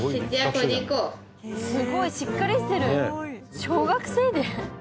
すごいしっかりしてる！小学生で？